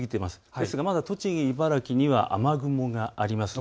ですがまだ栃木、茨城には雨雲があります。